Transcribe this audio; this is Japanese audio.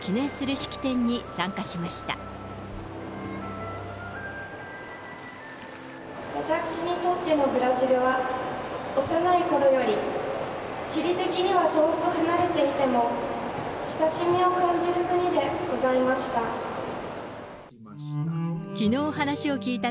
私にとってのブラジルは、幼いころより、地理的には遠く離れていても、親しみを感じる国でございました。